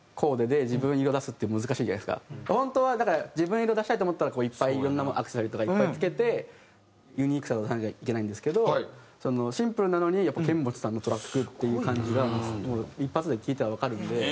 本当はだから自分色出したいと思ったらいっぱいいろんなものアクセサリーとかいっぱい着けてユニークさを出さなきゃいけないんですけどシンプルなのにケンモチさんのトラックっていう感じが一発で聴いたらわかるんで。